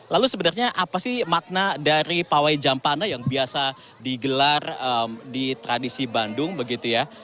lalu sebenarnya apa sih makna dari pawai jampana yang biasa digelar di tradisi bandung begitu ya